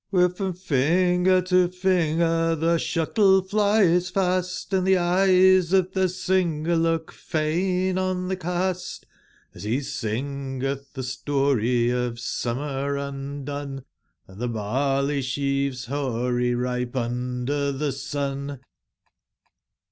^bere from finger to finger tbe sbuttle flies fast, |Hnd tbe eyes of tbe singer look fain on tbe cast, Hs be singetb tbe story of summer undone Hnd tbe barley sbeavcs boary ripe under tbe sun.